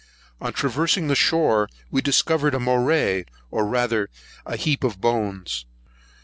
On traversing the shore, we discovered a morai, or rather a heap of bones.